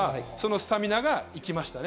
スタミナがいきましたね。